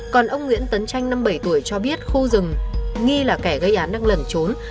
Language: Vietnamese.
còn ông nguyễn tấn tranh năm bảy tuổi cho biết khu rừng nghi là kẻ gây án đang lẩn trốn